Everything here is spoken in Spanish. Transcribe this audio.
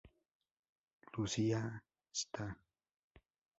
Lucía y Sta.